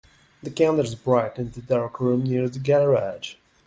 The candles brightened the dark room near to the garage.